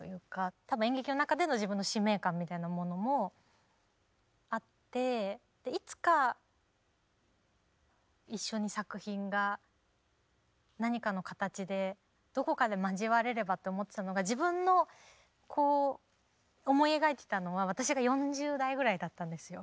多分演劇の中での自分の使命感みたいなものもあっていつか一緒に作品が何かの形でどこかで交われればと思っていたのが自分のこう思い描いていたのは私が４０代ぐらいだったんですよ。